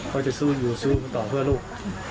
ก็จะสู้อยู่สู้มันต่อเพื่อลูก